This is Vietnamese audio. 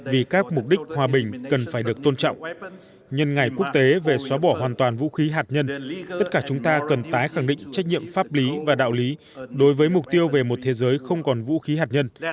vì các mục đích hòa bình cần phải được tôn trọng nhân ngày quốc tế về xóa bỏ hoàn toàn vũ khí hạt nhân tất cả chúng ta cần tái khẳng định trách nhiệm pháp lý và đạo lý đối với mục tiêu về một thế giới không còn vũ khí hạt nhân